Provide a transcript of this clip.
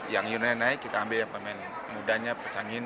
yang ini naik kita ambil yang pemain mudanya pesangin